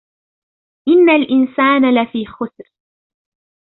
إِنَّ الْإِنسَانَ لَفِي خُسْرٍ